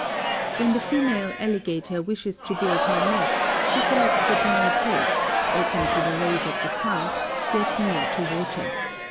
When the female alligator wishes to build her nest, she selects a dry place, open to the rays of the sun, yet near to water.